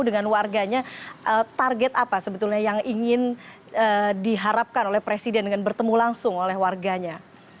dengan warganya target apa sebetulnya yang ingin diharapkan oleh presiden dengan bertemu langsung oleh warganya